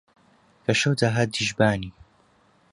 کە شەو داهات دیژبانی